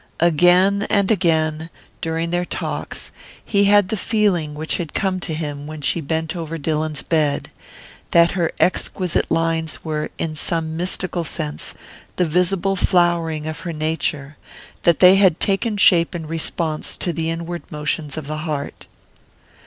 Again and again, during their talks, he had the feeling which had come to him when she bent over Dillon's bed that her exquisite lines were, in some mystical sense, the visible flowering of her nature, that they had taken shape in response to the inward motions of the heart.